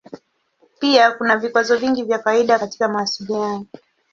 Pia kuna vikwazo vingi vya kawaida katika mawasiliano.